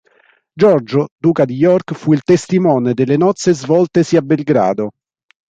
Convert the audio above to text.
Giorgio Duca di York fu il testimone delle nozze svoltesi a Belgrado.